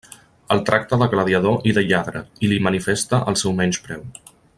El tracta de gladiador i de lladre, i li manifesta el seu menyspreu.